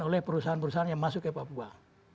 oleh perusahaan perusahaan yang masuk ke papua